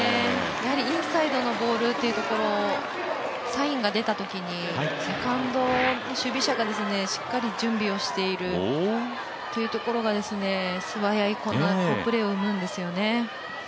やはりインサイドのボールというところをサインが出たときにセカンド守備者がしっかり準備をしているというところが、素早い好プレーを生むんですよね。